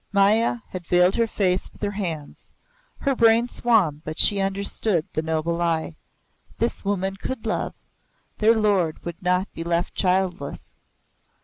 Maya had veiled her face with her hands. Her brain swam, but she understood the noble lie. This woman could love. Their lord would not be left childless.